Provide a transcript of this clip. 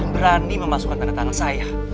berani memasukkan tanda tangan saya